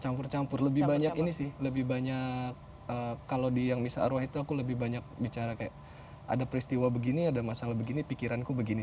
campur campur lebih banyak ini sih lebih banyak kalau di yang misa arwah itu aku lebih banyak bicara kayak ada peristiwa begini ada masalah begini pikiranku begini